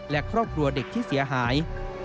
และครอบครัวเด็กที่เสียหาย